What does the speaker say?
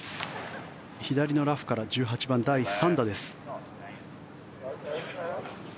左のラフから１８番、第３打です。